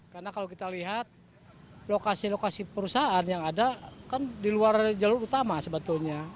karena kalau kita lihat lokasi lokasi perusahaan yang ada kan di luar jalur utama sebetulnya